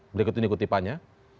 berikut ini kutipannya